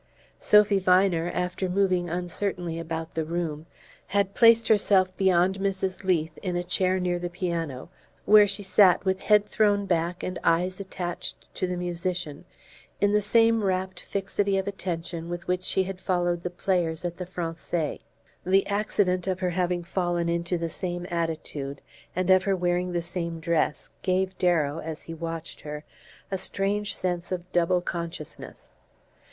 Sophy Viner, after moving uncertainly about the room, had placed herself beyond Mrs. Leath, in a chair near the piano, where she sat with head thrown back and eyes attached to the musician, in the same rapt fixity of attention with which she had followed the players at the Francais. The accident of her having fallen into the same attitude, and of her wearing the same dress, gave Darrow, as he watched her, a strange sense of double consciousness.